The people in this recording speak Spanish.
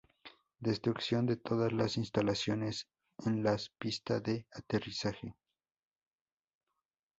Destrucción de todas las instalaciones en las pista de aterrizaje.